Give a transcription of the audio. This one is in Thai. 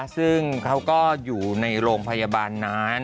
ซึ่งเขาก็อยู่ในโรงพยาบาลนั้น